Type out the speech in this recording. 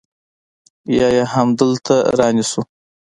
يا يې همدلته رانيسو.